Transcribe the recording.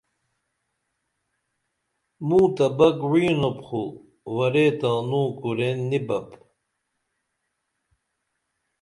مو تہ بک وعینوپ خو ورے تانوں کُرین نی بپ